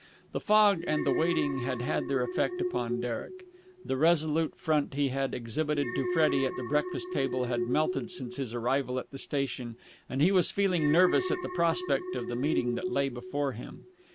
The fog and the waiting had had their effect upon Derek. The resolute front he had exhibited to Freddie at the breakfast table had melted since his arrival at the station, and he was feeling nervous at the prospect of the meeting that lay before him.